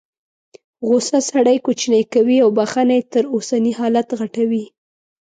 غوسه سړی کوچنی کوي او بخښنه یې تر اوسني حالت غټوي.